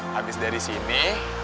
habis dari sini